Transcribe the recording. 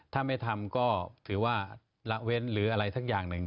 ถ้าไม่ทำก็ถือว่าละเว้นหรืออะไรสักอย่างหนึ่ง